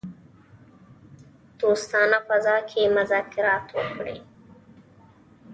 دوستانه فضا کې مذاکرات وکړي.